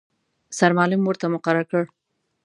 سرمعلم ورته مقرر کړ.